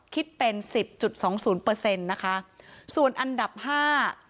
คิดเป็นสิบจุดสองศูนย์เปอร์เซ็นต์นะคะส่วนอันดับห้า